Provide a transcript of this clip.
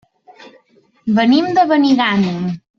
Venim de Benigànim.